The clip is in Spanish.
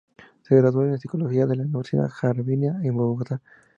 Se graduó de psicología de la Universidad Javeriana en Bogotá.